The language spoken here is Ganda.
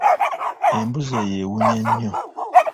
Embuzi eyo ewunya nnyo.